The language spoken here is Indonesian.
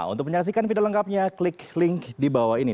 untuk menyaksikan video lengkapnya klik link di bawah ini